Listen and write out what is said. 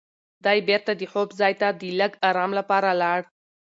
دی بېرته د خوب ځای ته د لږ ارام لپاره لاړ.